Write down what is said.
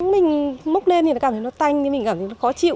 mình múc lên thì cảm thấy nó tanh nhưng mình cảm thấy nó khó chịu